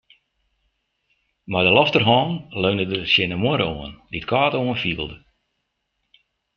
Mei de lofterhân leunde er tsjin de muorre oan, dy't kâld oanfielde.